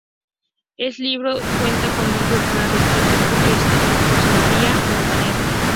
El libro cuenta con un prefacio del crítico e historiador Josep Maria Montaner.